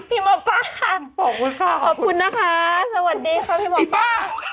หมอป้าขอบคุณค่ะขอบคุณนะคะสวัสดีค่ะพี่หมอป้า